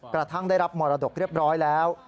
กระทั่งได้รับมรดกเรียบร้อยแล้ว